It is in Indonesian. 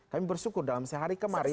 kami bersyukur dalam sehari kemarin